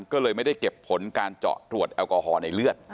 ก็เลยไม่ได้เก็บผลการเจาะตรวจแอลกอฮอล์ในเลือด